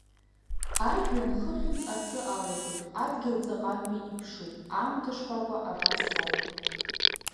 Ажҩан хыхьынтә асы алагоит, адгьыл ҵаҟантәи иԥшуп, аамҭа шкәакәа абас иалагоит…